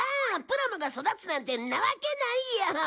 プラモが育つなんてんなわけないよ。